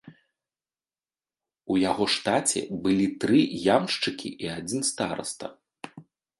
У яго штаце былі тры ямшчыкі і адзін стараста.